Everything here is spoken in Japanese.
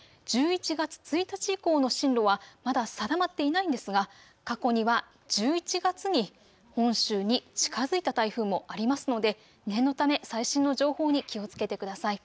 １１月１日以降の進路はまだ定まっていないんですが過去には１１月に本州に近づいた台風もありますので念のため最新の情報に気をつけてください。